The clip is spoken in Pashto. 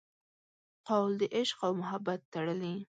قول د عشق او محبت تړلي